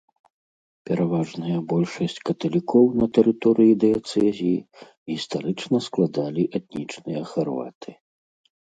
Пераважная большасць каталікоў на тэрыторыі дыяцэзіі гістарычна складалі этнічныя харваты.